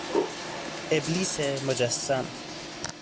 ابلیس مجسم